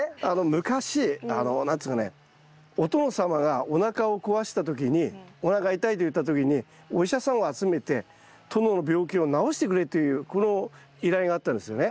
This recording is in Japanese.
昔何ですかねお殿様がおなかを壊した時におなかが痛いと言った時にお医者さんを集めて殿の病気を治してくれというこの依頼があったんですよね。